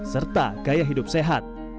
serta gaya hidup sehat